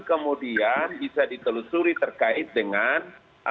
kemudian bisa ditelusuri terkait dengan apa apa yang dilakukan